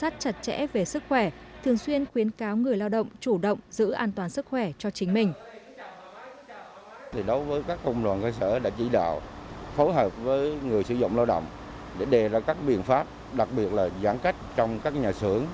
trẻ về sức khỏe thường xuyên khuyến cáo người lao động chủ động giữ an toàn sức khỏe cho chính mình